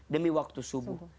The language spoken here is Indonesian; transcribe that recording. demi waktu subuh